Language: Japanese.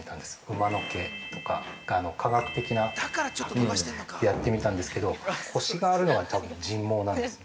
馬の毛とか、化学的なハケやってみたんですけどコシがあるのが多分人毛なんですね。